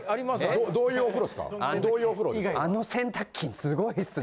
どういうお風呂ですか？